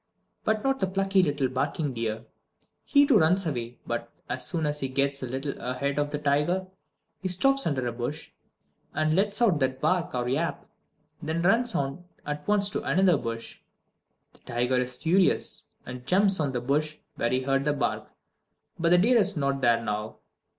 But not the plucky little barking deer! He too runs away, but as soon as he gets a little ahead of the tiger, he stops under a bush and lets out that bark or yap then runs on at once to another bush. The tiger is furious, and jumps on the bush where he heard the bark but the deer is not there now!